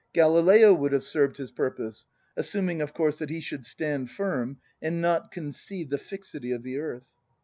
Galileo would have served his purpose, "assuming of course that he should stand firm and not concede the fixity of the earth."